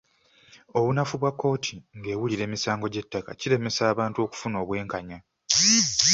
Obunafu bwa kkooti ng’ewulira emisango gy’ettaka kiremesa abantu okufuna obwenkanya.